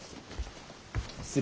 失礼。